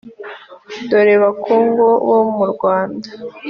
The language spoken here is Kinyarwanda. dore bakungu bomurwanda.